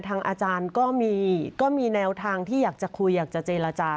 อาจารย์ก็มีแนวทางที่อยากจะคุยอยากจะเจรจา